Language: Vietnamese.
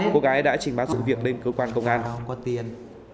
cô gái đã trình báo dụng việc lên cơ quan công an